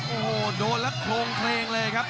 โอ้โหโดนแล้วโครงเพลงเลยครับ